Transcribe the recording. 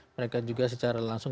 mereka juga secara langsung